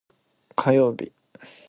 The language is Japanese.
火曜日